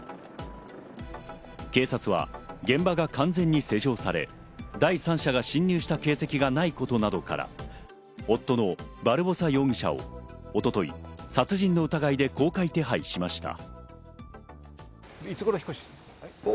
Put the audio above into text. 警察は現場が完全に施錠され、第３者が侵入した形跡がないことなどから夫のバルボサ容疑者を一昨日、殺人の疑いで公開手配しました。